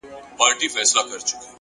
هره هڅه د راتلونکي یوه خښته ده